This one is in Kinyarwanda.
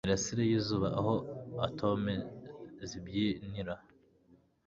imirasire y'izuba, aho atome zibyinira